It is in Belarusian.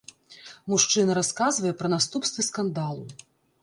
Мужчына расказвае пра наступствы скандалу.